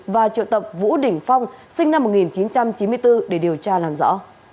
và triệu tập vũ đỉnh phong sinh năm một nghìn chín trăm chín mươi bốn để điều tra làm rõ